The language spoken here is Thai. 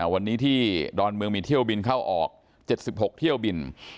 วันนี้ที่ดอนเมืองมีเที่ยวบินเข้าออก๗๖เที่ยวบิน